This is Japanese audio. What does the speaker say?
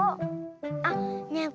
あっねえ